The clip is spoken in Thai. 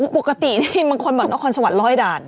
ปกตินี่มันคอนวัลคอนสวรรค์ร้อยด่าน